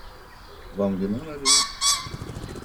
Вам вина налью?